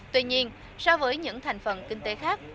tuy nhiên so với những thành phần kinh tế khác